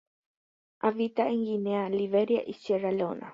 Habita en Guinea, Liberia y Sierra Leona.